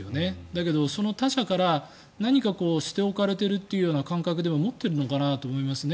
だけど、その他者から何か捨て置かれているような感覚でも持っているのかなと思います。